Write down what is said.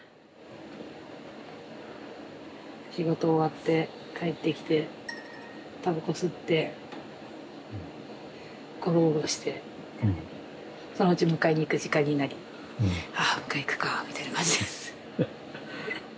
仕事終わって帰ってきてタバコ吸ってごろごろしてそのうち迎えに行く時間になりあ迎えに行くかみたいな感じです。